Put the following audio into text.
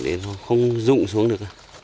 để nó không rụng xuống được